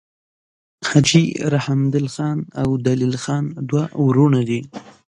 حاجي رحمدل خان او دلیل خان دوه وړونه وه.